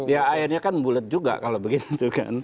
ya akhirnya kan bulet juga kalau begitu